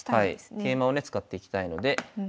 桂馬をね使っていきたいので。